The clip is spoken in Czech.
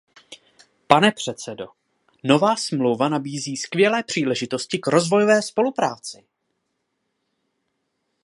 Pane předsedo, nová smlouva nabízí skvělé příležitosti k rozvojové spolupráci.